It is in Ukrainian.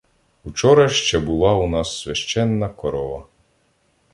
Вчора ще була у нас священна корова.